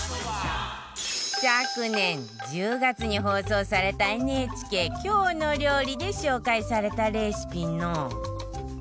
昨年１０月に放送された ＮＨＫ『きょうの料理』で紹介されたレシピの